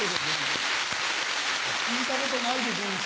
聞いたことないでごんす。